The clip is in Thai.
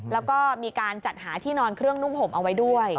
แล้วก็มีการจัดหาที่นอนเครื่องนุ่งห่มเอาไว้ด้วย